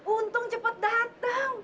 untung cepat datang